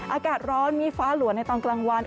อากาศร้อนมีฟ้าหลัวในตอนกลางวัน